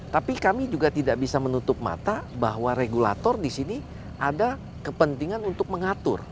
tapi kami juga tidak bisa menutup mata bahwa regulator di sini ada kepentingan untuk mengatur